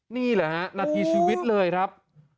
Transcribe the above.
นี่แหละฮะนาทีชีวิตเลยครับ